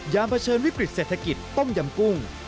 เผชิญวิกฤตเศรษฐกิจต้มยำกุ้ง